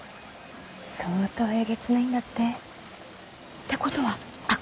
相当えげつないんだって。ってことは悪人なの？